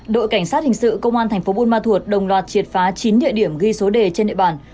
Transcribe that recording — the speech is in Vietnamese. đội cảnh sát hình sự công an thành phố buôn ma thuột đồng loạt triệt phá chín địa điểm ghi số đề trên địa bàn